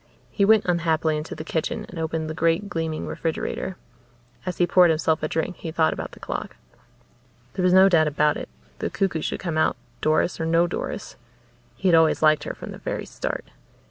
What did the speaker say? He went unhappily into the kitchen and opened the great gleaming refrigerator. As he poured himself a drink he thought about the clock. There was no doubt about it the cuckoo should come out, Doris or no Doris. He had always liked her, from the very start.